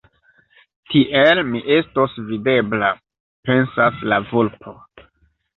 “Tiel, mi estos videbla!” pensas la vulpo.